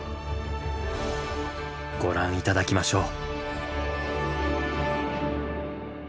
ご覧頂きましょう。